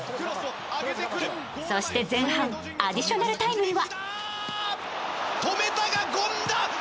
そして前半アディショナルタイムには。